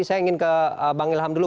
kita ke bang ilham dulu